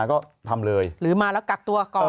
ก็ทำเลยหรือมาแล้วกักตัวก่อน